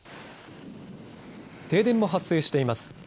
停電も発生しています。